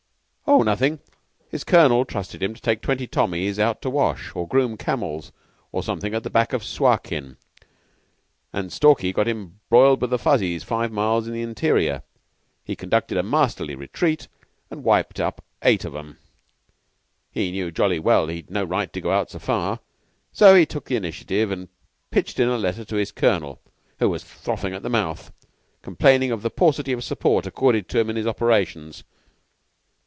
"Oh, nothing. His colonel trusted him to take twenty Tommies out to wash, or groom camels, or something at the back of Suakin, and Stalky got embroiled with Fuzzies five miles in the interior. He conducted a masterly retreat and wiped up eight of 'em. He knew jolly well he'd no right to go out so far, so he took the initiative and pitched in a letter to his colonel, who was frothing at the mouth, complaining of the 'paucity of support accorded to him in his operations.